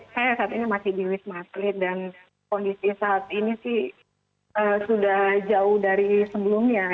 saya saat ini masih di wisma atlet dan kondisi saat ini sih sudah jauh dari sebelumnya